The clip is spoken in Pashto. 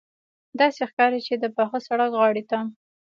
داسې ښکاري چې د پاخه سړک غاړې ته.